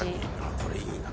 これいいな。